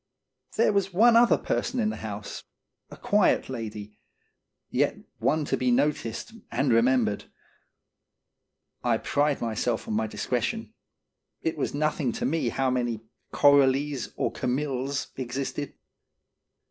There was one other person in the house, a quiet lady, yet one to be noticed and remem bered. 1 pride myself on my discretion. It was nothing to me how many " Coralies" or 213 214 31 Sworn Statement. "Camilles" existed.